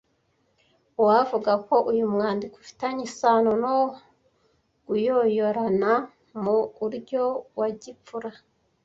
Uwavuga ko uyu mwandiko ufitanye isano no guyoyorana mu uryo wa gipfura